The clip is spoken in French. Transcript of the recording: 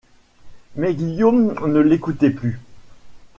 Mais Guillaume ne l'écoutait plus.